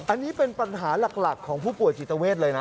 อันนี้เป็นปัญหาหลักของผู้ป่วยจิตเวทเลยนะ